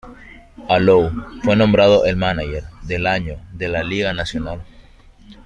Alou fue nombrado el mánager del año de la Liga Nacional.